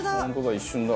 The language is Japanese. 一瞬だ。